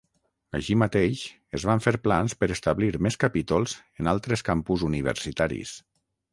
Així mateix es van fer plans per establir més capítols en altres campus universitaris.